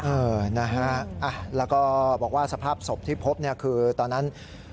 เออนะฮะแล้วก็บอกว่าสภาพศพที่พบเนี่ยคือตอนนั้น